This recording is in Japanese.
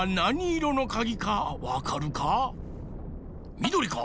みどりか？